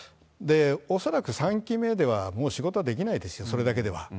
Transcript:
恐らく３期目ではもう仕事はできないですよ、それだけでは。